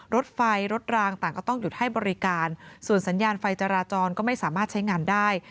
รถไฟรถรางต่างก็ต้องหยุดให้บริการส่วนสัญญาณไฟจราจรก็ไม่สามารถใช้งานได้